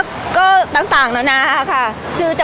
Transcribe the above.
พี่ตอบได้แค่นี้จริงค่ะ